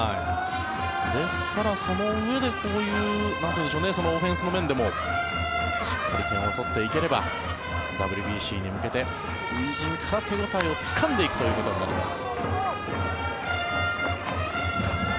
ですから、そのうえでこういうオフェンスの面でもしっかり点を取っていければＷＢＣに向けて初陣から手応えをつかんでいくということになります。